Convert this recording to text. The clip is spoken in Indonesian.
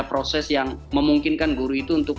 proses yang memungkinkan guru itu untuk